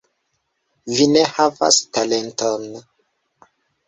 Vi ne havas talenton!